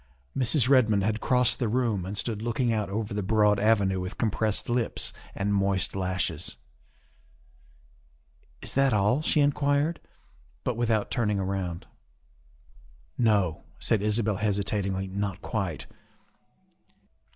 Mrs. Redmond had crossed the room and stood look ing out over the broad avenue with compressed lips and moist lashes. ' Is that all?" she inquired, but without turning around. " No," said Isabel hesitatingly, " not quite.